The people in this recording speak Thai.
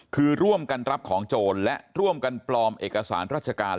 คือร่วมกันรับของโจรและร่วมกันปลอมเอกสารราชการ